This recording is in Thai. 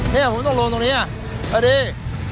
นี่ผมต้องลงตรงนี้สวัสดี